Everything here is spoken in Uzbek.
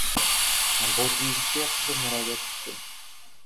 Botimizga qiziq murojaat tushdi.